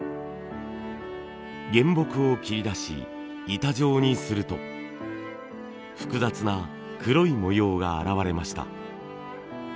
原木を切り出し板状にすると複雑な黒い模様が現れました。